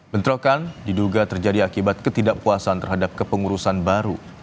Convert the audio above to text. bentrokan diduga terjadi akibat ketidakpuasan terhadap kepengurusan baru